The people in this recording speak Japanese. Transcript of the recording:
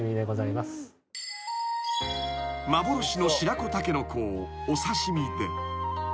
［幻の白子タケノコをお刺し身で］